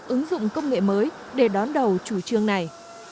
ứng dụng công nghệ mới để đón đầu chủ trương này